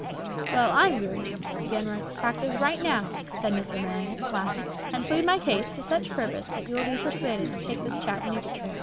"Well, I am going to begin my practice right now," said Mr. Marion, laughing, "and plead my case to such purpose that you will be persuaded to take this Chattanooga trip."